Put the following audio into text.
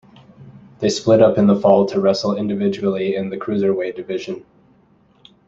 They split up in the fall to wrestle individually in the cruiserweight division.